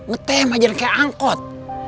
ngejem aja kayak angkot